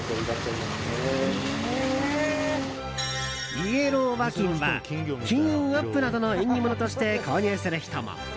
イエロー和金は金運アップなどの縁起物として購入する人も。